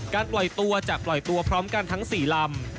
ปล่อยตัวจะปล่อยตัวพร้อมกันทั้ง๔ลำ